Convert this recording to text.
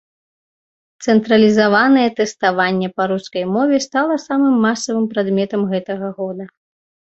Цэнтралізаванае тэставанне па рускай мове стала самым масавым прадметам гэтага года.